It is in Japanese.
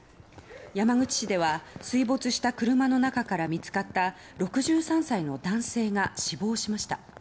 山口市では水没した車の中から見つかった６３歳の男性が死亡しました。